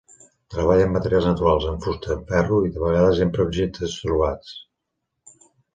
Treballa amb materials naturals, amb fusta, amb ferro i, de vegades, empra objectes trobats.